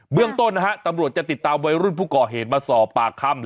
เรื่องต้นนะฮะตำรวจจะติดตามวัยรุ่นผู้ก่อเหตุมาสอบปากคำ